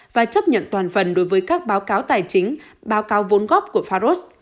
và chấp nhận toàn phần đối với các báo cáo tài chính báo cáo vốn góp của faros